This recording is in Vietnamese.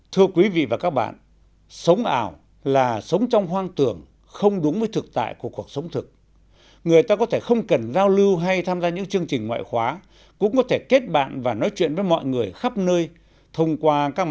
thưa quý vị và các bạn sống ảo là sống trong hoang tưởng không đúng với thực tại của cuộc sống thực tế